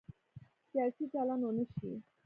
سیاسي چلند ونه شي.